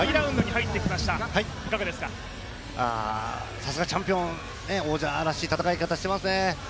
さすがチャンピオン、王者らしい戦いしてますね。